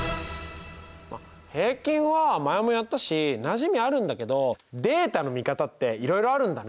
平均は前もやったしなじみあるんだけどデータの見方っていろいろあるんだね。